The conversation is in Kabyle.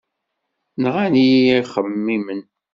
Nɣan-iyi yixemmimen.